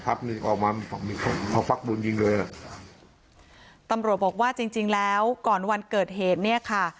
ตัมบลส์บอกว่าจริงแล้วก่อนวันเกิดเหตุเนี่ยค่ะ